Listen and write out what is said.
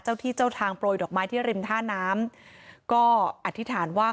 เจ้าที่เจ้าทางโปรยดอกไม้ที่ริมท่าน้ำก็อธิษฐานว่า